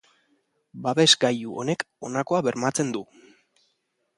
Babes-gailu honek honakoa bermatzen du.